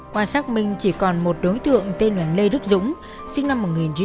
qua sắc mình chỉ còn một đối tượng tên là lê đức dũng sinh năm một nghìn chín trăm chín mươi một